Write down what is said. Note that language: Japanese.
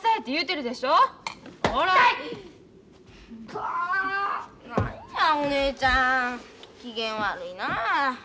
何やお姉ちゃん機嫌悪いなあ。